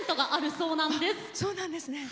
そうなんですね。